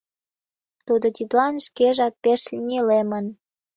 Тудо тидлан шкежат пеш нелемын.